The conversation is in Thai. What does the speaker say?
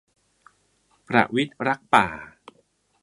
ประวิตรรักป่า